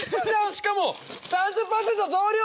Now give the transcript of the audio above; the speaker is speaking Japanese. しかも３０％増量！